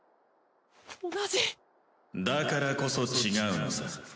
だからこそ違うのさ。